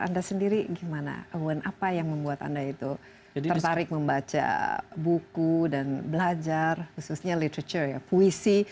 anda sendiri gimana apa yang membuat anda itu tertarik membaca buku dan belajar khususnya literatur ya puisi